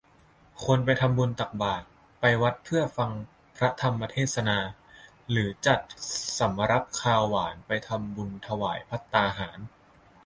ควรไปทำบุญตักบาตร ไปวัดเพื่อฟังพระธรรมเทศนา หรือจัดสำรับคาวหวานไปทำบุญถวายภัตตาหาร